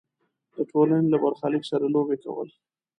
د ټولنې له برخلیک سره لوبې کول.